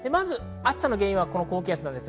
暑さの原因は高気圧です。